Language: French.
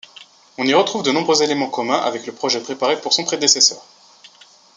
On y retrouve de nombreux éléments communs avec le projet préparé pour son prédécesseur.